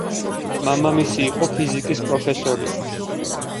მამამისი იყო ფიზიკის პროფესორი.